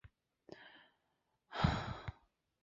非点源污染常常是大范围区域少量污染物累积而成。